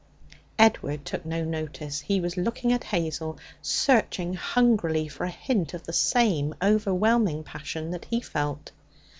Edward took no notice. He was looking at Hazel, searching hungrily for a hint of the same overwhelming passion that he felt.